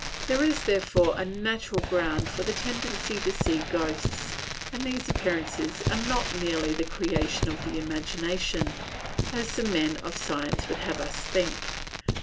There is, therefore, a natural ground for the tendency to see ghosts, and these appearances are not merely the creation of the imagination, as the men of science would have us think.